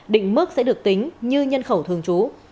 định mức sẽ được tính như nhân khẩu thường trú